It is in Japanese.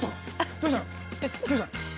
どうしたの？